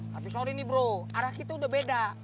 tapi sorry nih bro arah kita udah beda